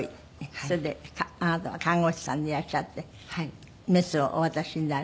それであなたは看護師さんでいらっしゃってメスをお渡しになる。